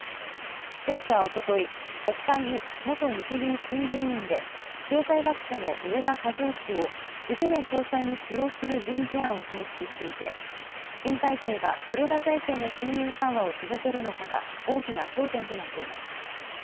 政府はおととい国会に元日銀審議委員で経済学者の植田和男氏を次の総裁に起用する人事案を提出していて新体制が黒田体制の金融緩和を続けるのかが大きな焦点となっています。